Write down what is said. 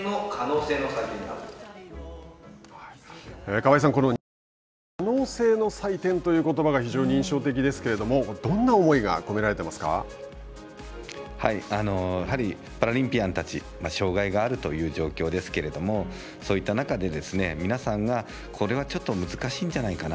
河合さん、この人間の可能性の祭典だということばが非常に印象的ですけれどもどんな思いがやはりパラリンピアンたち障害があるという状況ですけれどもそういった中で皆さんが、これはちょっと難しいんじゃないかな